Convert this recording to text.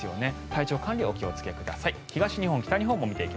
体調管理にお気をつけください。